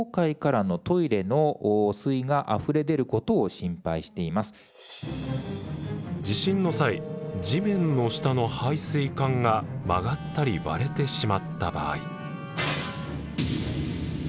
参加者からは地震の際地面の下の排水管が曲がったり割れてしまった場合。